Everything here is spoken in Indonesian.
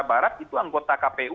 di barat itu anggota kpwri